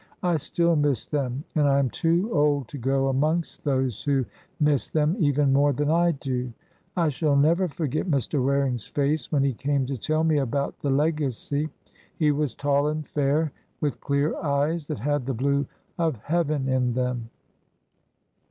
"I still miss them, and I am too old to go amongst those who miss them even more than I do. I shall never forget Mr. Waring's face when he came to tell me about the legacy. He was tall and fair, with clear eyes that had the blue of heaven in them."